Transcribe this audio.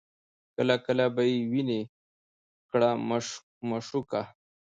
کله کله به یې ویني کړه مشوکه